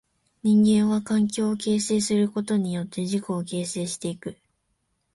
人間は環境を形成することによって自己を形成してゆく。